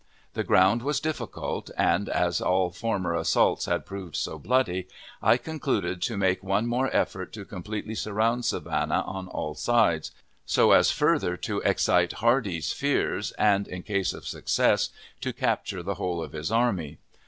The ground was difficult, and, as all former assaults had proved so bloody, I concluded to make one more effort to completely surround Savannah on all aides, so as further to excite Hardee's fears, and, in case of success, to capture the whole of his army.